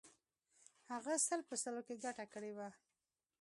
هغه سل په سلو کې ګټه کړې وه.